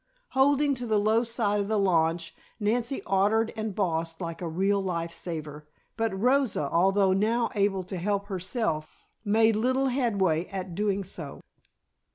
Holding to the low side of the launch, Nancy ordered and bossed like a real life saver, but Rosa, although now able to help herself, made little headway at doing so.